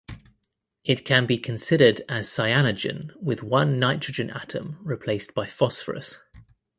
It can be considered as cyanogen with one nitrogen atom replaced by phosphorus.